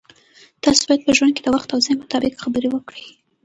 تاسو باید په ژوند کې د وخت او ځای مطابق خبرې وکړئ.